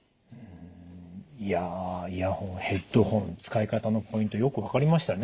いやイヤホンヘッドホン使い方のポイントよく分かりましたね。